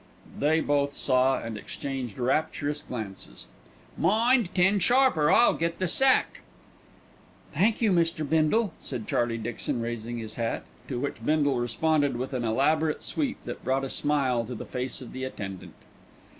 They both saw, and exchanged rapturous glances. "Mind, ten sharp, or I'll get the sack." "Thank you, Mr. Bindle," said Charlie Dixon, raising his hat, to which Bindle responded with an elaborate sweep that brought a smile to the face of the attendant.